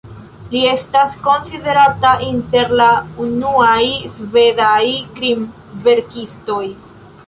Li estas konsiderata inter la unuaj svedaj krimverkistoj.